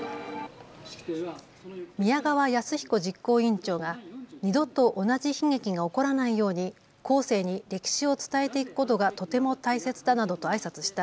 宮川泰彦実行委員長が二度と同じ悲劇が起こらないように後世に歴史を伝えていくことがとても大切だなどとあいさつした